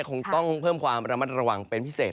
คงต้องเพิ่มความระมัดระวังเป็นพิเศษ